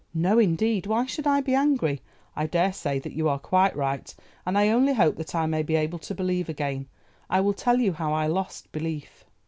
"No, indeed, why should I be angry? I daresay that you are quite right, and I only hope that I may be able to believe again. I will tell you how I lost belief.